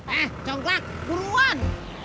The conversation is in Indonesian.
eh congklak buruan